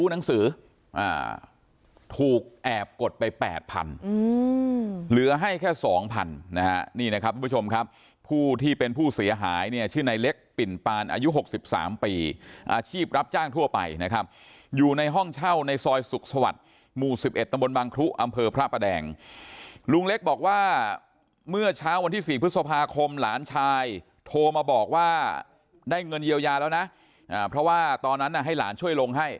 นี่นะครับผู้ชมครับผู้ที่เป็นผู้เสียหายเนี่ยชื่อในเล็กปิ่นปานอายุหกสิบสามปีอาชีพรับจ้างทั่วไปนะครับอยู่ในห้องเช่าในซอยสุขสวัสดิ์หมู่สิบเอ็ดตำบลบังคุอำเภอพระประแดงลุงเล็กบอกว่าเมื่อเช้าวันที่สี่พฤษภาคมหลานชายโทรมาบอกว่าได้เงินเยียวยาแล้วนะอ่าเพราะว่าตอนนั้นน่ะให้หลานช่วย